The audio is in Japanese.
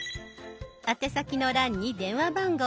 宛先の欄に電話番号。